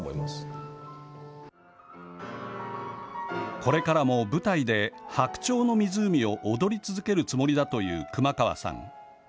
これからも舞台で白鳥の湖を踊り続けるつもりだという熊川さん。